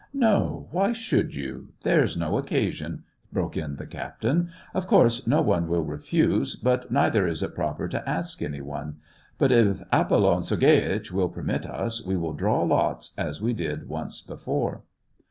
" No ; why should you ? There's no occasion !" broke in the captain. *' Of course, no one will refuse, but neither is it proper to ask any one ; but if Apollon Sergieitch will permit us, we will draw lots, as we did once before."